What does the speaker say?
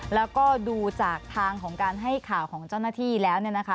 แล้วก็ดูจากทางของการให้ข่าวของเจ้าหน้าที่แล้วเนี่ยนะคะ